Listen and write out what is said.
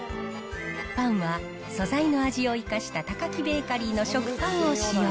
パンは、素材の味を生かしたタカキベーカリーの食パンを使用。